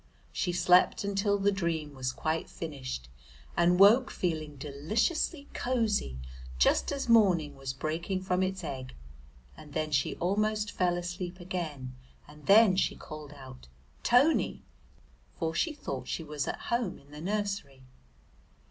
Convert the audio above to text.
She slept until the dream was quite finished and woke feeling deliciously cosy just as morning was breaking from its egg, and then she almost fell asleep again, and then she called out, "Tony," for she thought she was at home in the nursery.